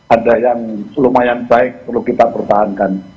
ada yang lumayan baik perlu kita pertahankan